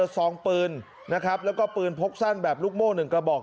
ซองปืนนะครับแล้วก็ปืนพกสั้นแบบลูกโม่๑กระบอก